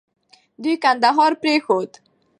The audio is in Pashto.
دوی کندهار پرېښود.